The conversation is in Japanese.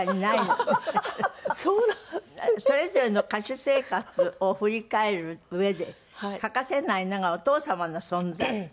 それぞれの歌手生活を振り返るうえで欠かせないのがお父様の存在？